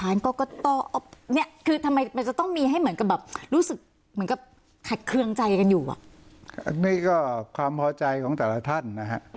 อันนี้ก็ความพอใจของแต่ละท่านนะฮะ